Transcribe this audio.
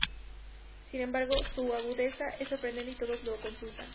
Sin embargo, su agudeza es sorprendente y todos le consultan.